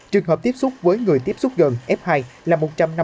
trường hợp tiếp xúc với người tiếp xúc gần f hai là một trăm năm mươi